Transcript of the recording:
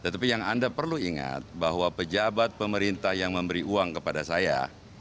tetapi yang anda perlu ingat bahwa pejabat pemerintah yang memberi uang kepada saya